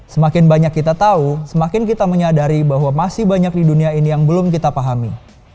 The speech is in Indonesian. semakin banyak kita tahu semakin kita menyadari bahwa masih banyak di dunia ini yang belum kita pahami